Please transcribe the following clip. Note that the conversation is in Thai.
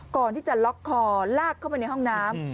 ก่อนที่จะล็อกคอลากเข้าไปในห้องน้ำ